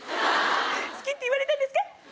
好きって言われたんですか？